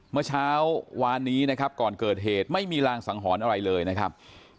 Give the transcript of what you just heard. เมื่อเช้าวานนี้นะครับก่อนเกิดเหตุไม่มีรางสังหรณ์อะไรเลยนะครับ